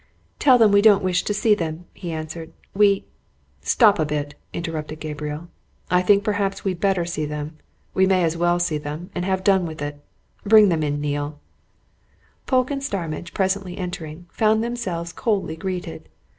"Tell them we don't wish to see them," he answered. "We " "Stop a bit!" interrupted Gabriel. "I think perhaps we'd better see them. We may as well see them, and have done with it. Bring them in, Neale." Polke and Starmidge, presently entering, found themselves coldly greeted.